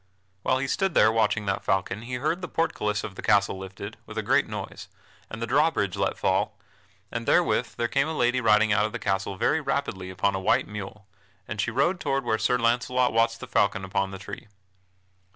While he stood there watching that falcon he heard the portcullis of the castle lifted, with a great noise, and the drawbridge let fall, and therewith there came a lady riding out of the castle very rapidly upon a white mule, and she rode toward where Sir Launcelot watched the falcon upon the tree.